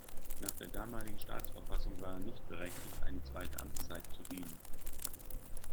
Nach der damaligen Staatsverfassung war er nicht berechtigt eine zweite Amtszeit zu dienen.